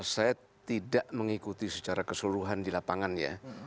saya tidak mengikuti secara keseluruhan di lapangan ya